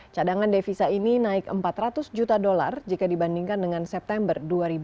cadangan devisa ini naik empat ratus juta dolar jika dibandingkan dengan september dua ribu dua puluh